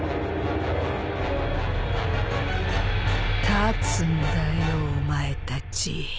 立つんだよお前たち。